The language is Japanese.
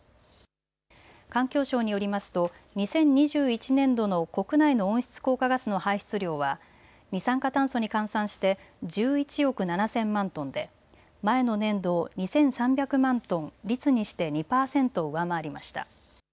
環境省によりますと２０２１年度の国内の温室効果ガスの排出量は二酸化炭素に換算して１１億７０００万トンで前の年度を２３００万トン、率にして２％上回りました。